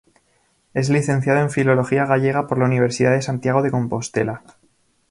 Es licenciado en Filología Gallega por la Universidad de Santiago de Compostela.